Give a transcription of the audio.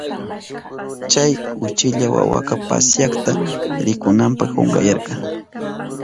Chay uchilla wawaka pasyakta rikunanpa kunkayarka.